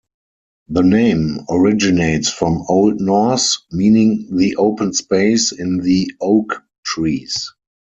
The name originates from old Norse, meaning the open space in the oak trees.